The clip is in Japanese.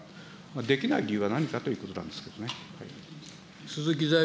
できない理由は何かということなんですけれどもね。